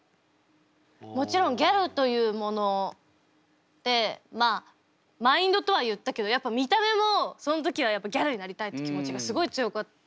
もちろんギャルというものでまあマインドとは言ったけどやっぱ見た目もそん時はギャルになりたいって気持ちがすごい強かったんで。